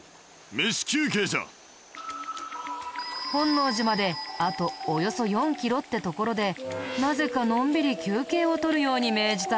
本能寺まであとおよそ４キロって所でなぜかのんびり休憩を取るように命じたらしいよ。